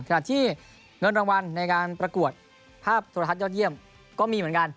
ขณะที่เงินรางวัลในการประกวดภาพโทรทัศน์ยอดเยี่ยมก็มีเหมือนกัน